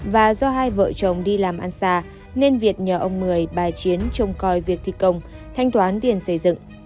và do hai vợ chồng đi làm ăn xa nên việt nhờ ông mười bà chiến trông coi việc thi công thanh toán tiền xây dựng